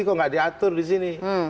kok tidak diatur disini